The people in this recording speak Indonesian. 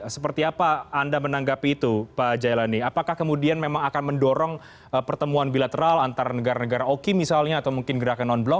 seperti apa anda menanggapi itu pak jailani apakah kemudian memang akan mendorong pertemuan bilateral antara negara negara oki misalnya atau mungkin gerakan non blok